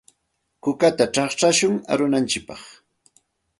Kukata chaqchashun arunantsikpaq.